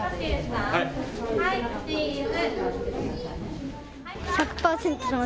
はい、チーズ。